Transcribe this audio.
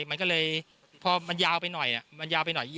มันยาวไปหน่อย